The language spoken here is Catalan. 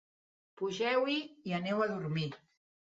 Pugeu-hi i aneu a dormir.